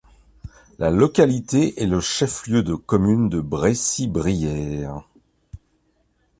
La localité est le chef-lieu de commune de Brécy-Brières.